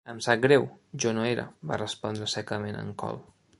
"Em sap greu, jo no era", va respondre secament en Cole.